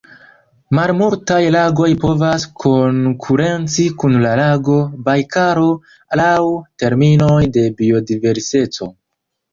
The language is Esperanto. Malmultaj lagoj povas konkurenci kun la lago Bajkalo laŭ terminoj de biodiverseco.